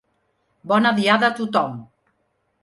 Bona diada a tothom!